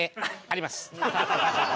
あります。